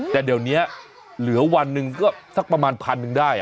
แต่เดี๋ยวนี้เหลือวันหนึ่งก็สักประมาณพันหนึ่งได้